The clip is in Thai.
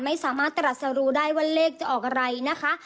ไม่สามารถตรัสรู้ได้ว่าเลขจะออกอะไรนะคะ